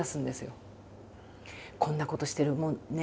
こんなことしてもね